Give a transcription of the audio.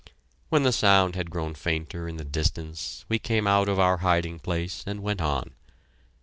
When the sound had grown fainter in the distance, we came out of our hiding place and went on.